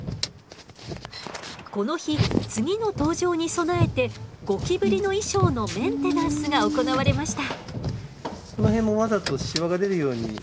この日次の登場に備えてゴキブリの衣装のメンテナンスが行われました。